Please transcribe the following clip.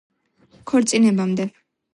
ქორწინებამდე